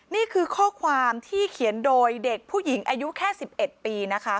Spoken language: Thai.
นี่คือข้อความที่เขียนโดยเด็กผู้หญิงอายุแค่๑๑ปีนะคะ